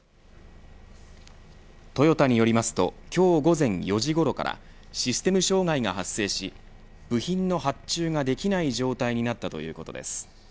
トヨタによりますと今日午前４時ごろからシステム障害が発生し部品の発注ができない状態になったということです。